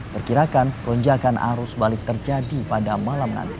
perkirakan lonjakan arus balik terjadi pada malam nanti